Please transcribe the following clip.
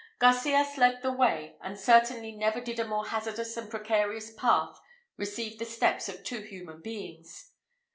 Garcias led the way; and certainly never did a more hazardous and precarious path receive the steps of two human beings.